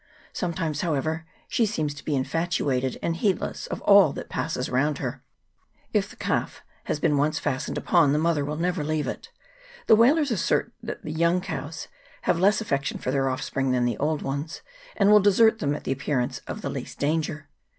Sometimes, however, she seems to be infatuated, and heedless of all that passes around her. If the calf has been once fast ened upon, the mother will never leave it. The whalers assert that the young cows have less affec tion for their offspring than the old ones, and will desert them at the appearance of the least danger.